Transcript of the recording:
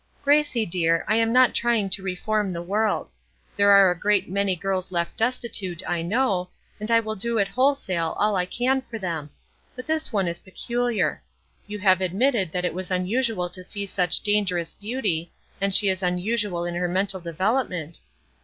"Gracie, dear, I am not trying to reform the world. There are a great many girls left destitute I know, and I will do at wholesale all I can for them; but this one is peculiar. You have admitted that it was unusual to see such dangerous beauty, and she is unusual in her mental development.